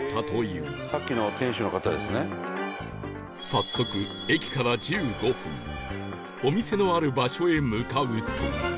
早速駅から１５分お店のある場所へ向かうと